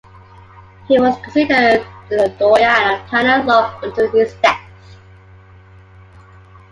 He was considered the doyan of canon law until his death.